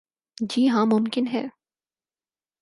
جی ہاں ممکن ہے ۔